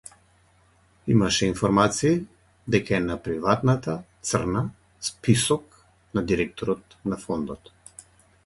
Имаше информации дека е на приватната црна список на директорот на фондот.